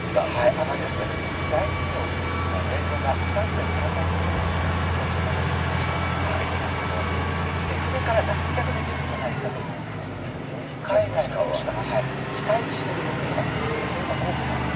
上がり始めてる、特に大企業でですね、連合が３．７％、春闘で賃上げ率に達したということをいっていますので、デフレから脱却できるんじゃないかというふうに、海外の投資家が期待してるというのが３つ目で、これが大きな理由。